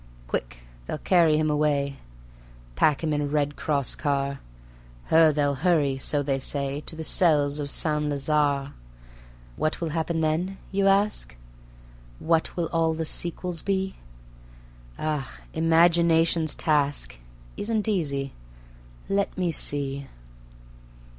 Quick they'll carry him away, Pack him in a Red Cross car; Her they'll hurry, so they say, To the cells of St. Lazare. What will happen then, you ask? What will all the sequel be? Ah! Imagination's task Isn't easy ... let me see